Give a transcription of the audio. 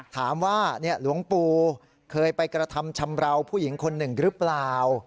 ถามว่าเนี่ยหลวงปูเคยไปกระทำชำราวผู้หญิงคนหนึ่งหรือเปล่า